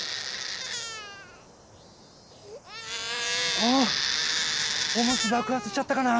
あっおむつ爆発しちゃったかな？